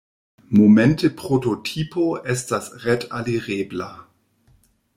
Momente prototipo estas ret-alirebla.